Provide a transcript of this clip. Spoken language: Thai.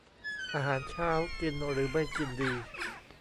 อาหารเช้า กินหรือไม่กินดี